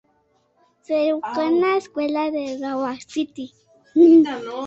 Se educó en la escuela de Iowa City.